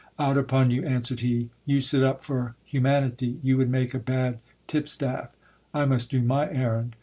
Out upon you, answered he, you set up for humanity ! you would make a bad tip staff. I must do my errand.